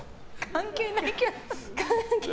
関係ないけど。